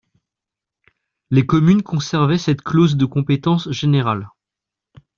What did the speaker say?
Les communes conservaient cette clause de compétence générale.